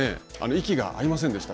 息が合いませんでした。